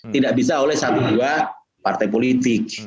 tidak bisa oleh satu dua partai politik